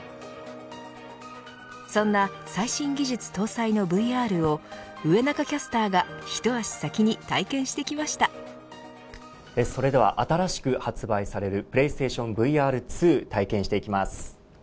そんな最新技術搭載のＶＲを上中キャスターが一足先にそれでは新しく発売されるＰｌａｙＳｔａｔｉｏｎＶＲ２体験していきます。